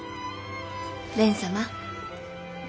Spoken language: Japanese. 蓮様。